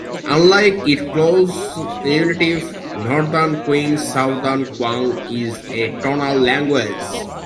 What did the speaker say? Unlike its close relative Northern Qiang, Southern Qiang is a tonal language.